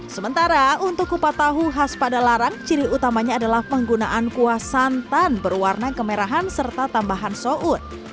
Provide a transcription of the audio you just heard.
sementara untuk kupat tahu khas pada larang ciri utamanya adalah penggunaan kuah santan berwarna kemerahan serta tambahan sout